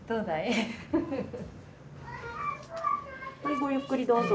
ごゆっくりどうぞ。